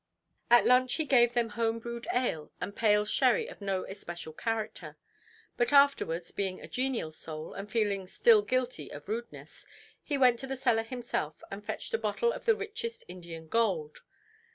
At lunch he gave them home–brewed ale and pale sherry of no especial character. But afterwards, being a genial soul, and feeling still guilty of rudeness, he went to the cellar himself and fetched a bottle of the richest Indian gold.